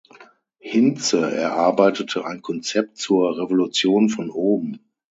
Hintze erarbeitete ein Konzept zur „Revolution von oben“.